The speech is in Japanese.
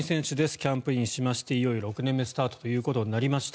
キャンプインしましていよいよ６年目スタートということになりました。